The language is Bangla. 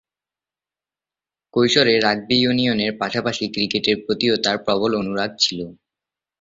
কৈশোরে রাগবি ইউনিয়নের পাশাপাশি ক্রিকেটের প্রতিও তার প্রবল অনুরাগ ছিল।